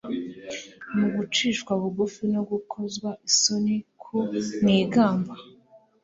mu gucishwa bugufi no gukozwa isoni, ku nigamba.